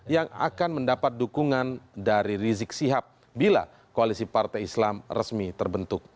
yang akan mendapat dukungan dari rizik sihab bila koalisi partai islam resmi terbentuk